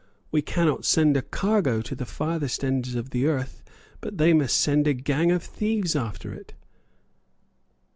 We cannot send a cargo to the farthest ends of the earth, but they must send a gang of thieves after it."